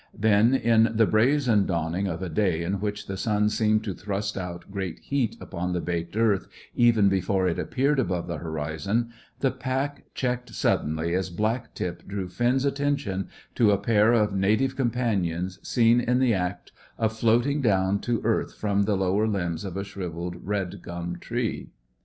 Then, in the brazen dawning of a day in which the sun seemed to thrust out great heat upon the baked earth even before it appeared above the horizon, the pack checked suddenly as Black tip drew Finn's attention to a pair of Native Companions seen in the act of floating down to earth from the lower limbs of a shrivelled red gum tree.